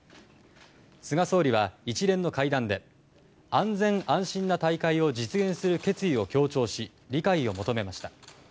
菅総理は一連の会談で安全・安心な大会を実現する決意を強調し理解を求めました。